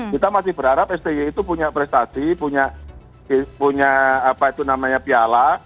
kita masih berharap sti itu punya prestasi punya apa itu namanya piala